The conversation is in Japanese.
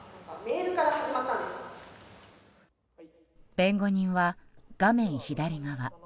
弁護人は、画面左側。